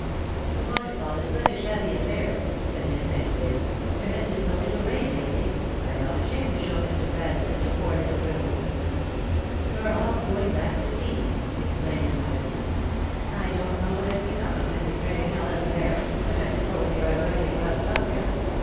" The waterfall is quite a shabby affair/ ' said Miss St. Aubyn ;'^ there has been so little rain lately, I felt ashamed to show Mr. Faddie such a poor little dribble.^^ " We are all going back to tea/'' explained her mother. " I don^t know what has become of Mrs. Tregonell and the Baron, but I suppose they are loitering about somewhere.